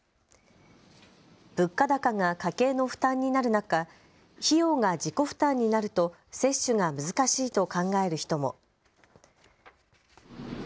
物価高が家計の負担になる中、費用が自己負担にになると接種が難しいと考える人も。